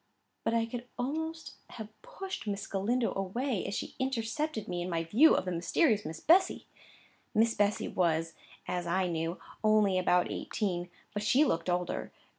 But I could almost have pushed Miss Galindo away, as she intercepted me in my view of the mysterious Miss Bessy. Miss Bessy was, as I knew, only about eighteen, but she looked older.